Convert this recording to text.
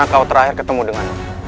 di mana kau terakhir ketemu dengan dia